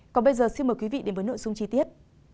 còn bây giờ xin mời quý vị đến với nội dung chi tiết